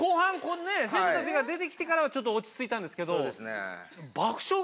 生徒たちが出てきてからはちょっと落ち着いたんですけど。